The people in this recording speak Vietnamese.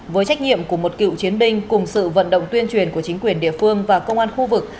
với trách nhiệm của một cựu chiến binh cùng sự vận động tuyên truyền của chính quyền địa phương và công an khu vực